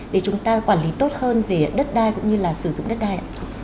để chúng ta quản lý tốt hơn về đất đai cũng như là sử dụng đất đai ạ